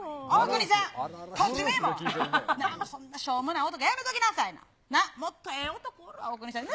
なんもそんなしょうもない男、やめときなさい。